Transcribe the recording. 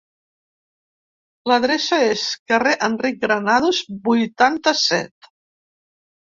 L'adreça és carrer Enric Granados vuitanta-set.